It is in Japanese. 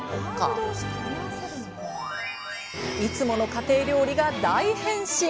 いつもの家庭料理が大変身！